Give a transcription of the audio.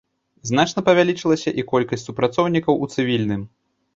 Значна павялічылася і колькасць супрацоўнікаў у цывільным.